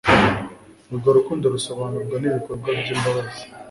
urwo rukundo rusobanurwa n'ibikorwa by'imbabazi?